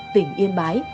tỉnh yên bái